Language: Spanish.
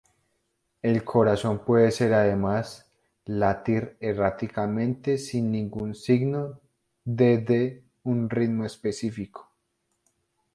El corazón puede además latir erráticamente sin ningún signo de de un ritmo específico.